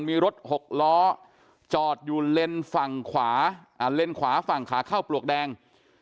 มีรถ๖ล้อจอดอยู่เล็งขวาฝั่งขาข้าวปลวกแดง